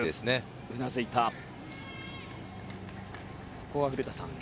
ここは古田さん